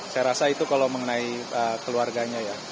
saya rasa itu kalau mengenai keluarganya ya